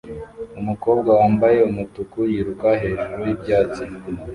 umukobwa wambaye umutuku yiruka hejuru y'ibyatsi